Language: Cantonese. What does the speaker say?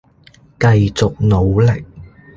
繼續努力